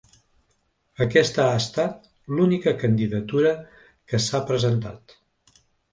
Aquesta ha estat l’única candidatura que s’ha presentat.